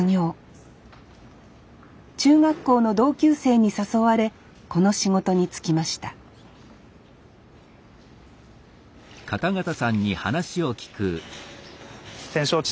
中学校の同級生に誘われこの仕事に就きました展勝地